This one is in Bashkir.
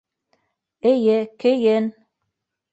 Эйе, кейен.